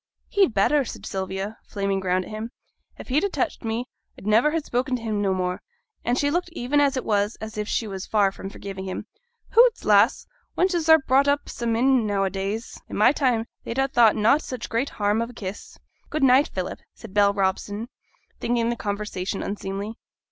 'He'd better,' said Sylvia, flaming round at him. 'If he'd a touched me, I'd niver ha' spoken to him no more.' And she looked even as it was as if she was far from forgiving him. 'Hoots, lass! wenches are brought up sa mim, now a days; i' my time they'd ha' thought na' such great harm of a kiss.' 'Good night, Philip,' said Bell Robson, thinking the conversation unseemly.